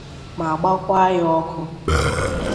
ma gbakwa ya ọkụ